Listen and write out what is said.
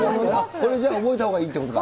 これじゃあ、覚えたほうがいいということか。